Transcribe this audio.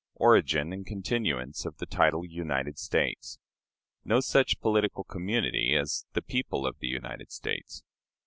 Origin and Continuance of the Title "United States." No such Political Community as the "People of the United States."